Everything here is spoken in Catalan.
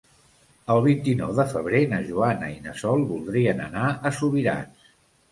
El vint-i-nou de febrer na Joana i na Sol voldrien anar a Subirats.